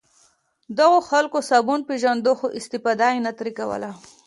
دغو خلکو صابون پېژانده خو استفاده یې نه ترې کوله.